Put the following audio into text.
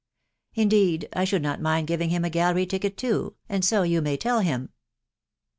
... Indeed, I should not mind giving him a gallery ticket too, and so you may tell him."